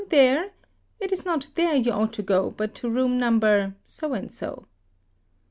there, it is not there you ought to go, but | to room No. so and so"'.